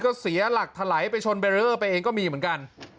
ก็เสียหลักถลายไปชนเบรีเออร์ไปเองก็มีเหมือนกัน